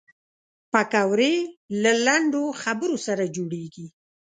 پکورې له لنډو خبرو سره جوړېږي